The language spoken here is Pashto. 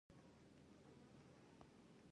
زه وخت بېځایه نه تېرووم.